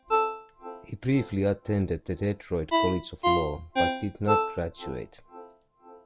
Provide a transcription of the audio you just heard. He briefly attended the Detroit College of Law, but did not graduate.